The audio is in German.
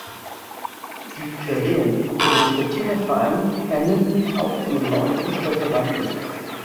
Die Querelen unter den Stettiner Vereinen endeten auch in dem neuen Fußballverband nicht.